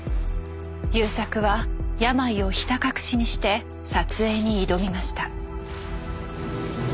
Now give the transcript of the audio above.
優作は病をひた隠しにして撮影に挑みました。